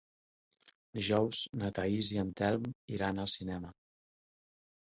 Dijous na Thaís i en Telm iran al cinema.